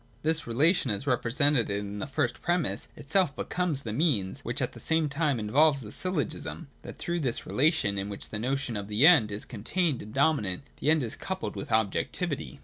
This relation, as represented in the first premiss, itself becomes the Means, which at the same time involves the syllogism, that through this relation — in which the action of the End is contained and dominant — the End is coupled with objectivity.